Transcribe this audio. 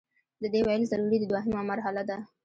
د دې ویل ضروري دي دوهمه مرحله ده.